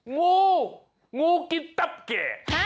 งูงูกินตับแก่